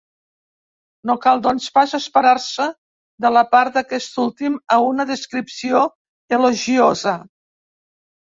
No cal doncs pas esperar-se de la part d'aquest últim a una descripció elogiosa.